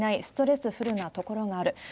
ストレスフルなところもある。